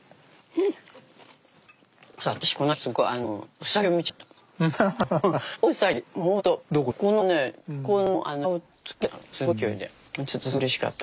私この間うさぎを見ちゃった。